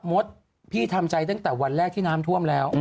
มดพี่ทำใจตั้งแต่วันแรกที่น้ำท่วมแล้ว